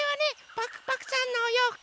パクパクさんのおようふく。